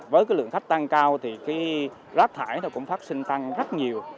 với lượng khách tăng cao rác thải cũng phát sinh tăng rất nhiều